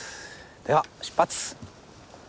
では出発！